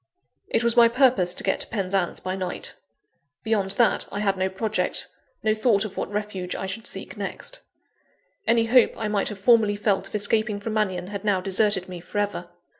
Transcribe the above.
It was my purpose to get to Penzance by night. Beyond that, I had no project, no thought of what refuge I should seek next. Any hope I might have formerly felt of escaping from Mannion, had now deserted me for ever.